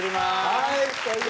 はい。